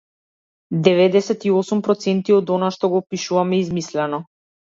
Деведесет и осум проценти од она што го пишувам е измислено.